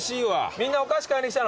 みんなお菓子買いに来たの？